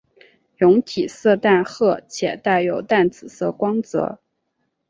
蛹体色淡褐且带有淡紫色光泽。